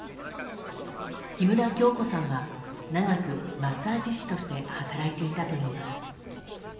木村京子さんは長くマッサージ師として働いていたといいます。